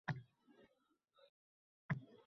Avtotransport vositasining sug‘urtasi yo‘q